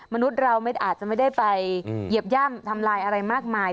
มนุษย์เราอาจจะไม่ได้ไปเหยียบย่ำทำลายอะไรมากมาย